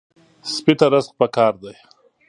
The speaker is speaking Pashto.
سپي ته رزق پکار دی.